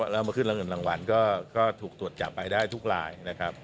แล้วมาขึ้นรางวัลก็ถูกตรวจจับไปได้ทุกรายนะครับ